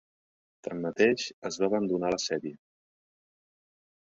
Tanmateix, es va abandonar la sèrie.